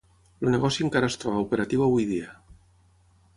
El negoci encara es troba operatiu avui dia.